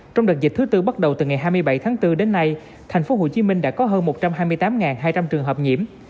trong đợt dịch thứ tư bắt đầu từ ngày hai mươi bảy tháng bốn đến nay thành phố hồ chí minh đã có hơn một trăm hai mươi tám hai trăm linh trường hợp nhiễm